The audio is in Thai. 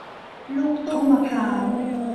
ลูกตุ้มมะพร้าว